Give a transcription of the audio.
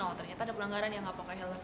oh ternyata ada pelanggaran yang nggak pakai helm